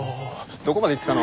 どこまで行ってたの？